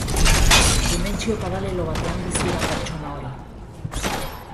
Dimentsio paralelo batean bizi da pertsona hori.